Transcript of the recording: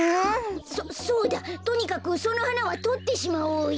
そそうだとにかくそのはなはとってしまおうよ。